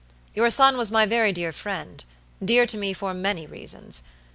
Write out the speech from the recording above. Your son was my very dear frienddear to me for many reasons.